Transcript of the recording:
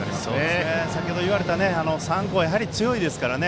先程言われた３校は強いですからね。